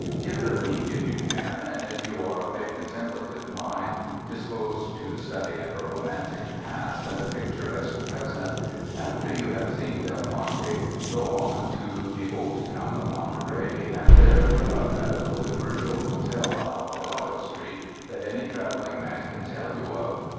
Give it a week, if you can, and if you are of a contempla tive mind, disposed to the study of a romantic past and a picturesque present, after you have seen Del Monte, go on to the old town of Monterey, and there put up at a little commercial hotel on Alvarado Street that any traveling man can tell you of.